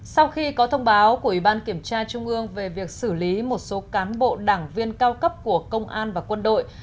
sau khi có thông báo của ủy ban kiểm tra trung ương về việc xử lý một số cán bộ đảng viên cao cấp của công an và quân đội